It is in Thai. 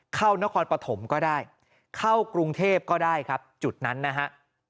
นครปฐมก็ได้เข้ากรุงเทพก็ได้ครับจุดนั้นนะฮะ